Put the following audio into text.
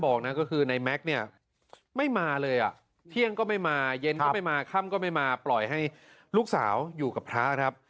บอกนะก็คือในแม็กซ์เนี่ยไม่มาเลยอ่ะเที่ยงก็ไม่มาเย็นก็ไม่มาค่ำก็ไม่มาปล่อยให้ลูกสาวอยู่กับพระครับ